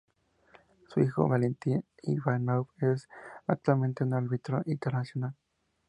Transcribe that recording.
Su hijo Valentín Ivanov es actualmente un árbitro internacional.